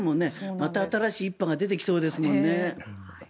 また新しい１派が出てきそうですもんね。